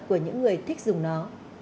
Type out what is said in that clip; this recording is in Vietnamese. của những người thích dùng nó